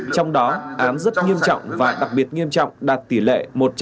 trong đó án rất nghiêm trọng và đặc biệt nghiêm trọng đạt tỷ lệ một trăm linh